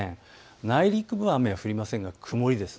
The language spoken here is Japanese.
内陸部は雨は降りませんが曇りです。